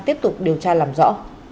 tiếp tục điều tra làm rõ